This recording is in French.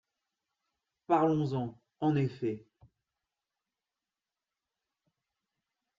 Parlons-en, en effet